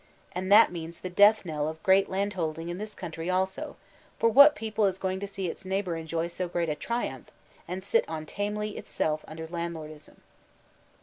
And that means the death knell of great landholding in this country also, for what people is going to see its neighbor enjoy so great a triumph, and sit on tamely itself under landlordism?